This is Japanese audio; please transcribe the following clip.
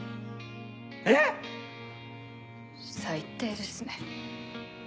えぇ⁉最低ですね。